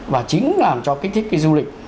và chính làm cho kích thích cái du lịch